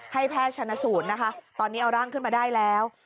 แพทย์ชนสูตรนะคะตอนนี้เอาร่างขึ้นมาได้แล้ว